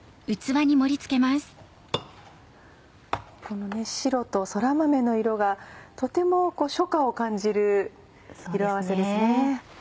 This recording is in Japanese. この白とそら豆の色がとても初夏を感じる色合わせですね。